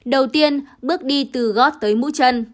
đầu tiên bước đi từ gót tới mũ chân